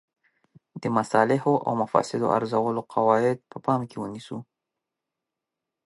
د مصالحو او مفاسدو ارزولو قواعد په پام کې ونیسو.